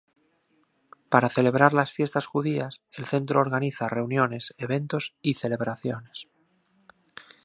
Para celebrar las fiestas judías el Centro organiza reuniones, eventos y celebraciones.